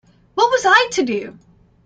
What was I to do?